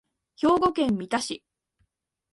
兵庫県三田市